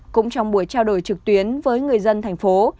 cũng trong buổi trao đổi trực tuyến với người dân thành phố